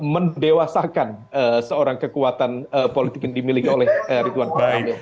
mendewasakan seorang kekuatan politik yang dimiliki oleh ridwan kamil